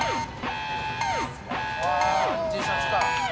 Ｔシャツか。